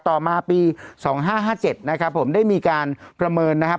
ต่อมาปี๒๕๕๗นะครับผมได้มีการประเมินนะครับ